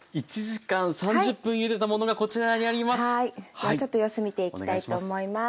ではちょっと様子見ていきたいと思います。